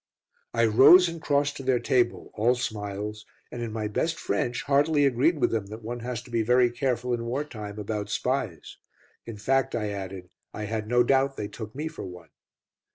I rose and crossed to their table, all smiles, and in my best French heartily agreed with them that one has to be very careful in war time about spies. In fact, I added, I had no doubt they took me for one.